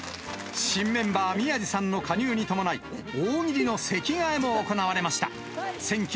新メンバー、宮治さんの加入に伴い、大喜利の席替えも行われました。